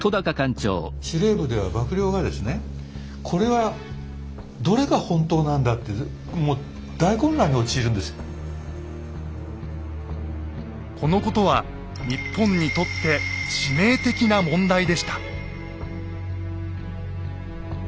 司令部では幕僚がですねこれはこのことは日本にとって致命的な問題でした。